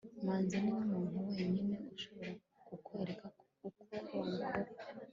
manzi niwe muntu wenyine ushobora kukwereka uko wabikora